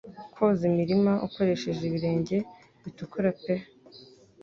Kwoza imirima ukoresheje ibirenge bitukura pe